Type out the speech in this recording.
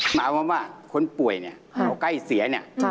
หมายความว่าคนป่วยแต่ตอนใกล้เสีย